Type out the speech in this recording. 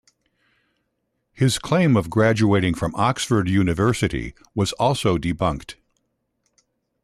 His claim of graduating from Oxford University was also debunked.